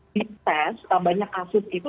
di tes banyak kasus itu